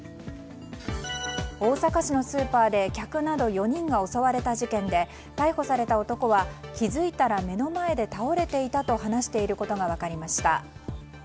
大阪市のスーパーで客など４人が襲われた事件で逮捕された男は気づいたら目の前で倒れていたと話していることが分かりました。